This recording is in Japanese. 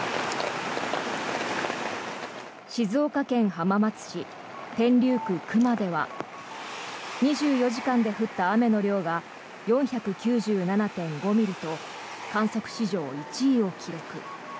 静岡県浜松市天竜区熊では２４時間で降った雨の量が４９７．５ミリと観測史上１位を記録。